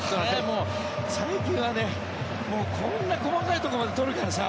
最近はこんな細かいところまで取るからさ。